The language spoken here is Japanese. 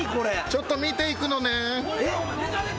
ちょっと見ていくのねん。